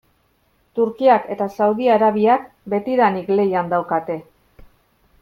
Turkiak eta Saudi Arabiak betidanik lehian daukate.